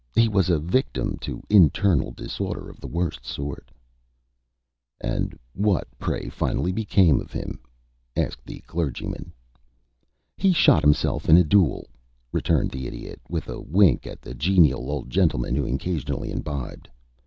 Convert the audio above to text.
He was a victim to internal disorder of the worst sort." "And what, pray, finally became of him?" asked the Clergyman. "He shot himself in a duel," returned the Idiot, with a wink at the genial old gentleman who occasionally imbibed.